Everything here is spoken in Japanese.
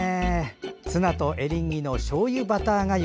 ツナとエリンギのしょうゆバターがゆ